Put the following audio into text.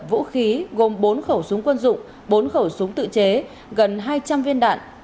vũ khí gồm bốn khẩu súng quân dụng bốn khẩu súng tự chế gần hai trăm linh viên đạn